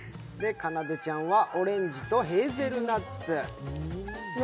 かなでちゃんはオレンジとヘーゼルナッツ。